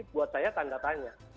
buat saya tanda tanya